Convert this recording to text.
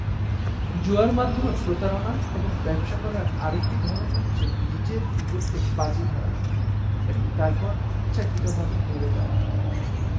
জুয়ার মাধ্যমে প্রতারণা এবং ব্যবসা করার আরেকটি ধরন হচ্ছে নিজের বিপরীতে বাজি ধরা এবং তারপর ইচ্ছাকৃত ভাবে হেরে যাওয়া।